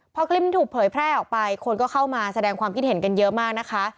พอคลิปนี้ถูกเผยแพร่ออกไปคนก็เข้ามาแสดงความคิดเห็นกันเยอะมากนะคะ